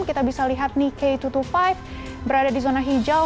kita bisa lihat nih k dua ratus dua puluh lima berada di zona hijau